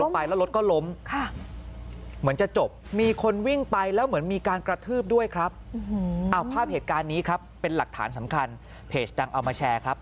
เพจดังเอามาแชร์ครับ